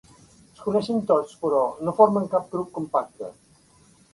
Es coneixen tots, però no formen cap grup compacte.